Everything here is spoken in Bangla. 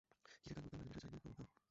কিরে গাঙু, কাল রাতের নেশা যায়নি এখনো, হাহ্?